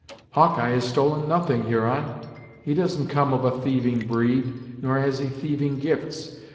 "Hawkeye has stolen nothing, Huron. He doesn't come of a thieving breed, nor has he thieving gifts.